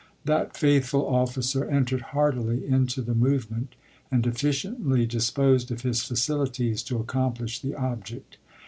That faithful officer entered heartily into the movement, and effi ciently disposed of his facilities to accomplish the object.